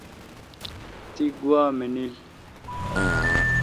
تی گوا منیل